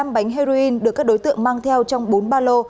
một trăm một mươi năm bánh heroin được các đối tượng mang theo trong bốn ba lô